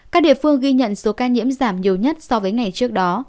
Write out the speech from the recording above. các địa phương ghi nhận số ca nhiễm giảm nhiều nhất so với ngày trước đó